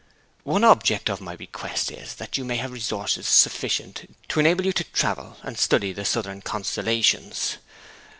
'One object of my bequest is that you may have resources sufficient to enable you to travel and study the Southern constellations.